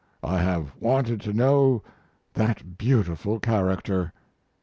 I have wanted to know that beautiful character.